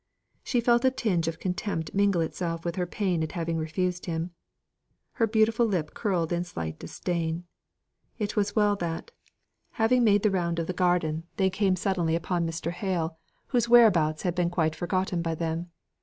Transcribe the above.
She felt a tinge of contempt mingle itself with her pain at having refused him. Her beautiful lip curled in a slight disdain. It was well that, having made the round of the garden, they came suddenly upon Mr. Hale, whose whereabouts had been quite forgotten by them.